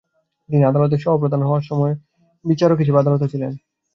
তিনি আদালতের সহ-প্রধান হওয়ার সময় বিচারক হিসাবে আদালতে ছিলেন।